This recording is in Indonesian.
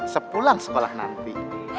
sepulang sekolah nanti